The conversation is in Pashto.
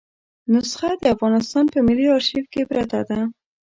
نسخه د افغانستان په ملي آرشیف کې پرته ده.